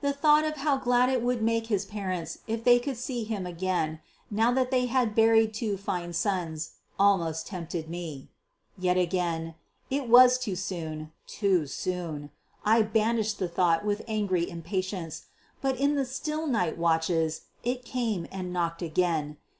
The thought of how glad it would make his parents if they could see him again, now that they had buried two fine sons, almost tempted me. Yet again, it was too soon, too soon. I banished the thought with angry impatience. But in the still night watches it came and knocked again.